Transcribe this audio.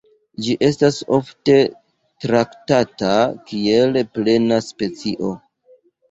Ĝi estas ofte traktata kiel plena specio.